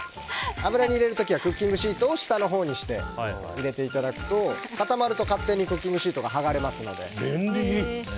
油に入れる時はクッキングシートを下のほうにして入れていただくと固まると勝手にクッキングシートが便利！